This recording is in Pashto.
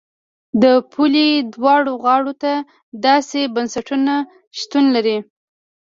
د پولې دواړو غاړو ته داسې بنسټونه شتون لري.